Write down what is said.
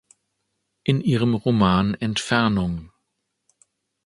In ihrem Roman "Entfernung.